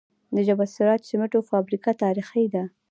د جبل السراج سمنټو فابریکه تاریخي ده